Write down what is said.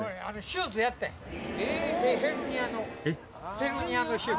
ヘルニアの手術。